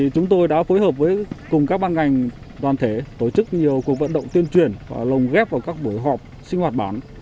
cùng ghép vào các buổi họp sinh hoạt bán